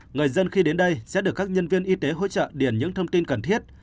người dân khi đến đây sẽ được các nhân viên y tế hỗ trợ điền những thông tin cần thiết